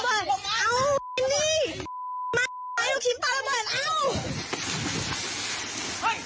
ตกเป็นมันจากอย่างต่าง